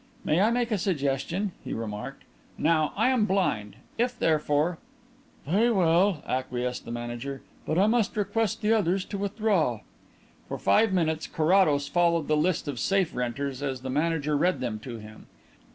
"May I make a suggestion?" he remarked. "Now; I am blind. If, therefore ?" "Very well," acquiesced the manager. "But I must request the others to withdraw." For five minutes Carrados followed the list of safe renters as the manager read them to him.